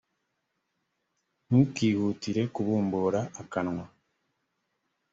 ntukihutire kubumbura akanwa